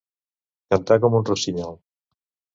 Cantar com un rossinyol.